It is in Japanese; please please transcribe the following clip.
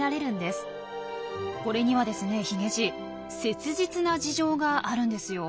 これにはですねヒゲじい切実な事情があるんですよ。